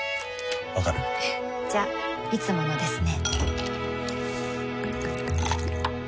わかる？じゃいつものですね